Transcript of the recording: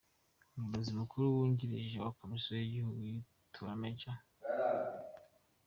Umuyobozi mukuru wungirije wa Komisiyo y’igihugu y’Itorero Maj.